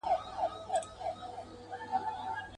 ولي سیوری اچولی خوب د پېغلي پر ورنونه.